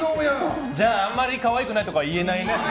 じゃああんまり可愛くないとかは言えないね。